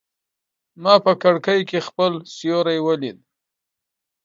ما په کړکۍ کې خپل سیوری ولید.